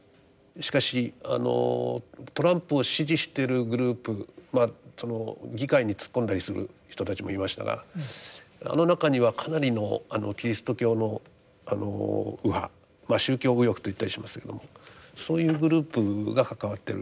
しかしあのトランプを支持してるグループまあその議会に突っ込んだりする人たちもいましたがあの中にはかなりのキリスト教の右派宗教右翼と言ったりしますけどもそういうグループが関わってる。